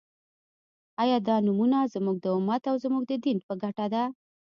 آیا دا نومؤنه زموږ د امت او زموږ د دین په ګټه ده؟